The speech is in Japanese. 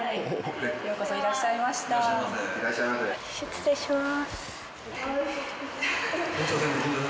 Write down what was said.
失礼します。